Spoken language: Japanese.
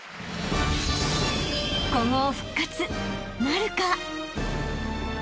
［古豪復活なるか！？］